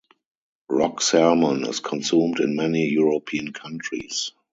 Rock salmon is consumed in many European countries.